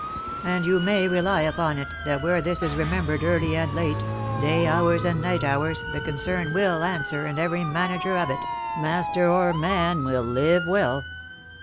And you may rely upon it that where this is remembered early and late, day hours and night hours, the concern will answer, and every manager of it, master or man, will live well.